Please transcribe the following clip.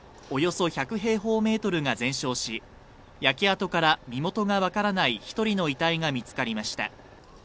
およそ１００平方メートルが全焼し焼け跡から身元が分からない１人の遺体が見つかりました。